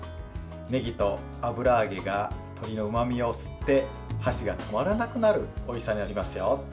ねぎと油揚げが鶏のうまみを吸って箸が止まらなくなるおいしさになりますよ。